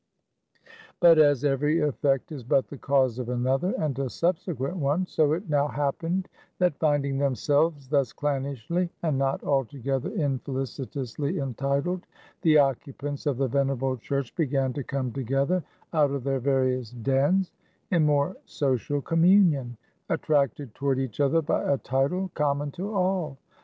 But as every effect is but the cause of another and a subsequent one, so it now happened that finding themselves thus clannishly, and not altogether infelicitously entitled, the occupants of the venerable church began to come together out of their various dens, in more social communion; attracted toward each other by a title common to all.